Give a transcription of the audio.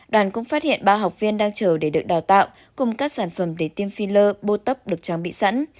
đoàn cũng phát hiện ba học viên đang chờ để được đào tạo cùng các sản phẩm để tiêm filler bô tóc được trang bị sẵn